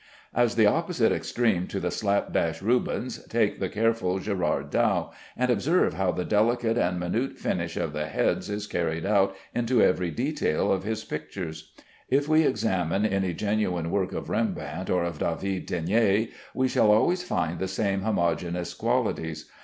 As the opposite extreme to the slapdash Rubens, take the careful Gerard Dow, and observe how the delicate and minute finish of the heads is carried out into every detail of his pictures. If we examine any genuine work of Rembrandt or of David Teniers, we shall always find the same homogeneous qualities.